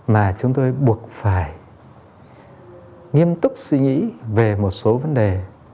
mà chúng tôi buộc phải nghiêm túc suy nghĩ về một số vấn đề